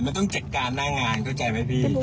มันต้องจัดการหน้างานเข้าใจไหมพี่